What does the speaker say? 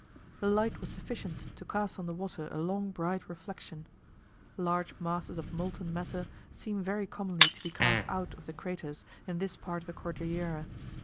The light was sufficient to cast on the water a long bright reflection. Large masses of molten matter seem very commonly to be cast out of the craters in this part of the Cordillera.